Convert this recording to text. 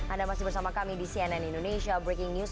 anda masih bersama kami di cnn indonesia breaking news